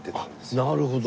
なるほど！